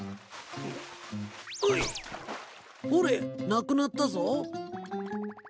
ほれなくなったぞ。